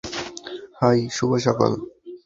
High, শুভ সকাল।